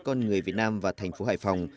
con người việt nam và thành phố hải phòng